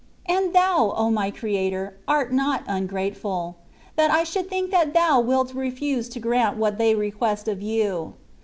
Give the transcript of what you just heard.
And Thou, O my Creator ! art not ungrateful — that I should think that Thou wilt refuse to grant what they request of You.